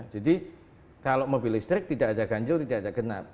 jadi kalau mobil listrik tidak ada ganjil tidak ada genap